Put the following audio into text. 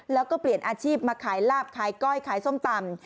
แล้วก็เปลี่ยนอาชีพมาขายลาบขายก้อยขายส้มตำ